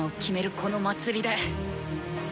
この祭りで。